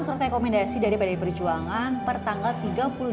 pdi perjuangan dan gerindra berkuasa dengan perusahaan yang berpengaruh